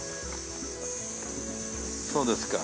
そうですか。